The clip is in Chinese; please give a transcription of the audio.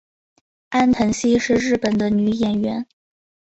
安藤希是日本的女演员。